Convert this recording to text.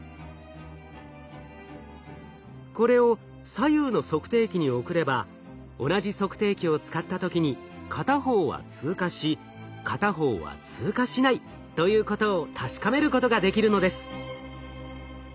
これを左右の測定器に送れば同じ測定器を使った時に片方は通過し片方は通過しないということを確かめることができるのです。